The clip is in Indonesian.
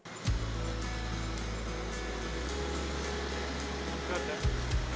sehingga orang kaya semuanya bisa makan gudeg dan bisa beli gudeg